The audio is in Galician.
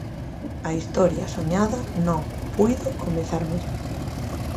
A historia soñada non puido comezar mellor.